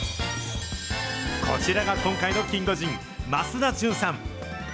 こちらが今回のキンゴジン、枡田純さん。